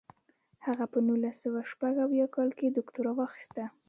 هغه په نولس سوه شپږ اویا کال کې دوکتورا واخیسته.